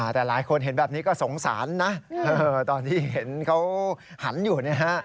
แต่หลายคนเห็นแบบนี้ก็สงสารนะตอนที่เห็นเขาหันอยู่นะฮะ